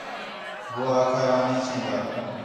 ہو آکھا ہِے آں نہیں چین٘دا